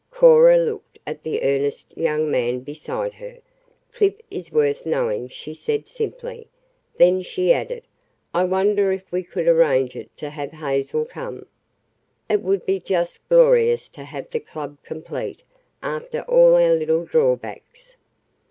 Cora looked at the earnest young man beside her. "Clip is worth knowing," she said simply. Then she added: "I wonder if we could arrange it to have Hazel come? It would be just glorious to have the club complete after all our little drawbacks.